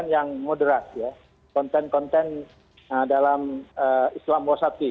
konten yang muderat ya konten konten dalam islam wasabi